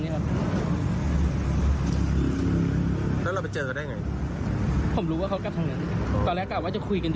เขาก็ผลักตรงนั้นก็แบบปุ๊บเป็นแหละ